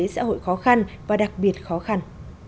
xã hội khó khăn và đặc biệt khó khăn